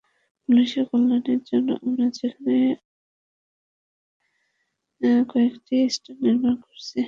পুলিশের কল্যাণের জন্য আমরা সেখানে অস্থায়ী ভিত্তিতে কয়েকটি স্টল নির্মাণ করছি।